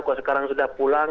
kalau sekarang sudah pulang